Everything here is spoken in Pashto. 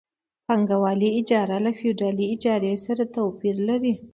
پانګوالي اجاره له فیوډالي اجارې سره توپیر لري